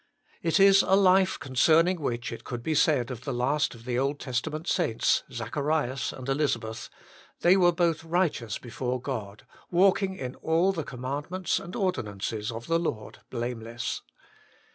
It is a life concerning which it could be said of the last of the Old Testament saints, Zacharias and Elisabeth, " They were both righteous before God, walking in all the command ments and ordinances of the Lord blameless."